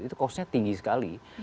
itu costnya tinggi sekali